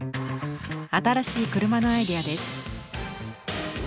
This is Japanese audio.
新しい車のアイデアです。